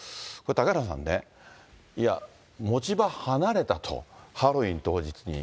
嵩原さんね、いや、持ち場離れたと、ハロウィーン当日に。